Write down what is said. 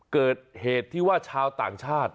เกิดเหตุที่ว่าชาวต่างชาติ